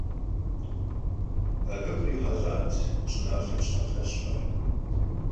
Abı khrihelh'at ş'ınalhem şınexh lheşxer.